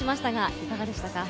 いかがでしたか？